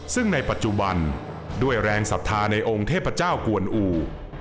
ซึ่งในปัจจุบันด้วยแรงศรัทธาในองค์เทพเจ้ากวนอู่